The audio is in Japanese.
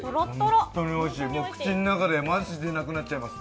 本当においしい、口の中でマジでなくなっちゃいます。